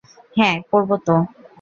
হ্যাঁঁ, করবো তো।